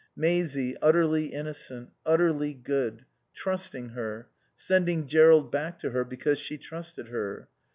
Maisie, utterly innocent, utterly good, trusting her, sending Jerrold back to her because she trusted her.